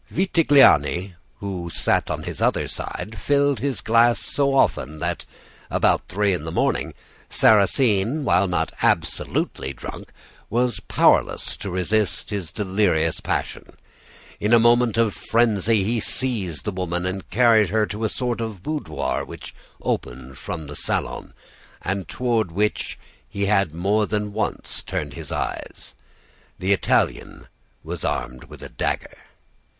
Vitagliani, who sat on his other side, filled his glass so often that, about three in the morning, Sarrasine, while not absolutely drunk, was powerless to resist his delirious passion. In a moment of frenzy he seized the woman and carried her to a sort of boudoir which opened from the salon, and toward which he had more than once turned his eyes. The Italian was armed with a dagger.